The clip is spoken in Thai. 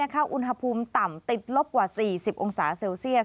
อุณหภูมิต่ำติดลบกว่า๔๐องศาเซลเซียส